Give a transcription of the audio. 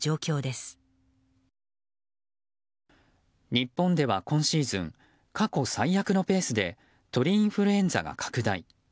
日本では今シーズン過去最悪のペースで鳥インフルエンザが拡大。